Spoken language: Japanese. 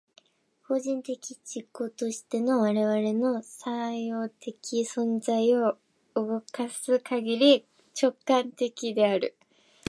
個人的自己としての我々の作用的存在を動かすかぎり、直観的である。